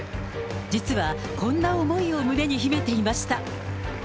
実はこんな思いを胸に秘めていました。